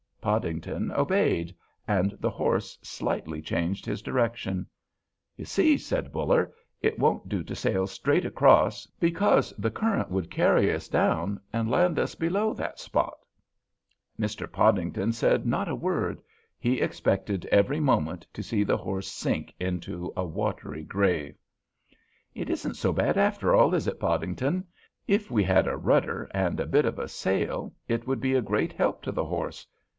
Podington obeyed, and the horse slightly changed his direction. "You see," said Buller, "it won't do to sail straight across, because the current would carry us down and land us below that spot." Mr. Podington said not a word; he expected every moment to see the horse sink into a watery grave. "It isn't so bad after all, is it, Podington? If we had a rudder and a bit of a sail it would be a great help to the horse.